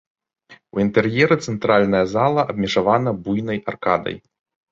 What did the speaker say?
У інтэр'еры цэнтральная зала абмежавана буйнай аркадай.